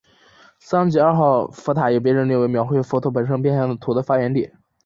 桑吉二号佛塔也被认定为描绘佛陀本生变相图的发源地。